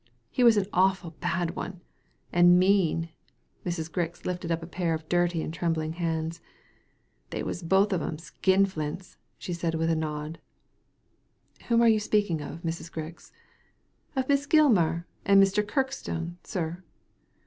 He was an awful bad one — and mean I " Mrs. Grix lifted up a pair of dirty and trembling hands. " They was both of 'em skinflints," said she, with a nod. "Whom are you speaking of, Mrs. Grix ?"" Of Miss Gilmar and Mr. Kirkstone, sir."